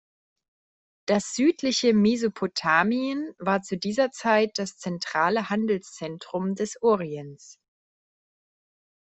Das südliche Mesopotamien war zu dieser Zeit das zentrale Handelszentrum des Orients.